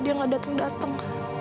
beneran kata orang